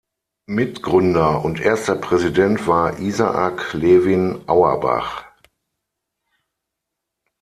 Mitgründer und erster Präsident war Isaac Levin Auerbach.